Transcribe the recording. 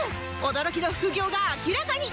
驚きの副業が明らかに。